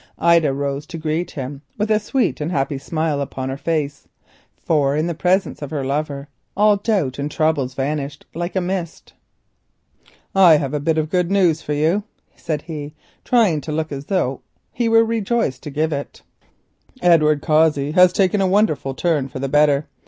Ida rose to greet him with a sweet and happy smile upon her face, for in the presence of her lover all her doubts and troubles vanished like a mist. "I have a piece of news for you," said he, trying to look as though he was rejoiced to give it. "Edward Cossey has taken a wonderful turn for the better.